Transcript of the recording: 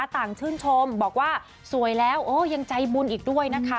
ต่างชื่นชมบอกว่าสวยแล้วโอ้ยังใจบุญอีกด้วยนะคะ